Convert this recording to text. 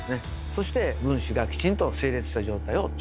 そして分子がきちんと整列した状態をつくると。